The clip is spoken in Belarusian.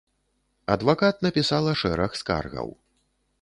Адвакат напісала шэраг скаргаў.